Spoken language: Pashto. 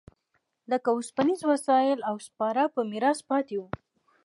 لکه اوسپنیز وسایل او سپاره په میراث پاتې و